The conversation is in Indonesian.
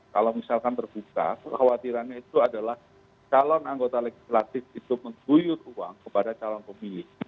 kalau misalkan terbuka kekhawatirannya itu adalah calon anggota legislatif itu mengguyur uang kepada calon pemilih